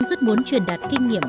rất muốn truyền đặt kinh nghiệm